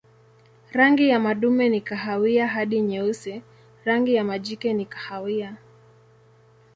Rangi ya madume ni kahawia hadi nyeusi, rangi ya majike ni kahawia.